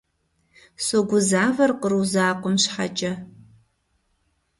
Согузавэр къру закъуэм щхьэкӏэ.